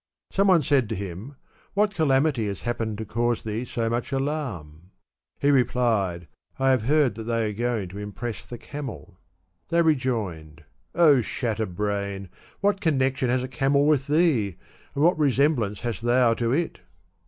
^ Some one said to him, * What calamity has happened to cause thee so much alarm? ' He re plied, 'I have heard they are going to impress the camel.' They rejoined, * O Shatter brain ! what con nection has a camel with thee, and what resemblance hast thou to it